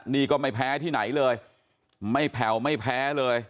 นี่ก็ไม่แพ้ที่ไหนเลยไม่แผ่วไม่แพ้เลย